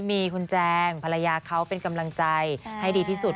มีคุณแจงภรรยาเขาเป็นกำลังใจให้ดีที่สุด